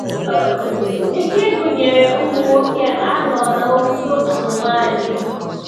nke gụnyere ụmụnwoke anọ na otu nwaanyị.